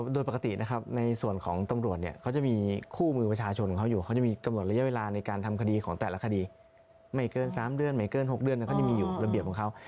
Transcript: โดยปกตินะครับในส่วนของตำรวจเนี่ยเขาจะมีคู่มือประชาชนของเขาอยู่เขาจะมีกำหนดระยะเวลาในการทำคดีของแต่ละคดีไม่เกิน๓เดือนไม่เกิน๖เดือนเขาจะมีอยู่ระเบียบของเขา